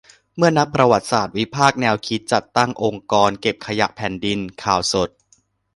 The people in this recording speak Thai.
เมื่อนักประวัติศาสตร์ วิพากษ์แนวคิดจัดตั้ง "องค์กรเก็บขยะแผ่นดิน" : ข่าวสด